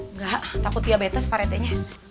nggak takut dia betes pak retenya